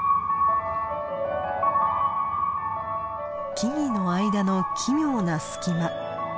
木々の間の奇妙な隙間。